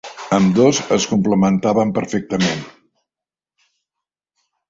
Ambdós es complementaven perfectament.